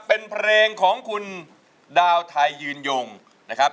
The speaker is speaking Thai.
เป็นเพลงของคุณดาวไทยยืนยงนะครับ